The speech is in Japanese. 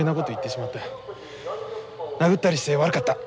殴ったりして悪かった。